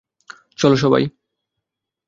চলো, সবাই।